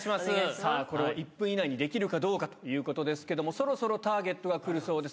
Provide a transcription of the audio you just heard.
さあ、これを１分以内にできるかどうかということですけれども、そろそろターゲットが来るそうです。